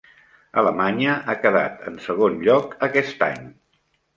Alemanya ha quedat en segon lloc aquest any.